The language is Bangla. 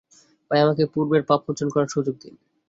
তাই আমাকে পূর্বের পাপমোচন করার সুযোগ দিন।